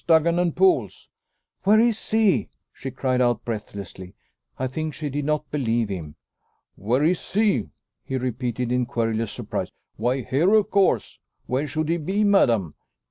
Duggan and Poole's." "Where is he?" she cried out breathlessly. I think she did not believe him. "Where is he?" he repeated in querulous surprise. "Why here, of course. Where should he be, madam?